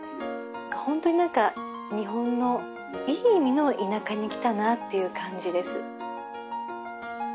ホントに何か日本のいい意味の田舎に来たなっていう感じです。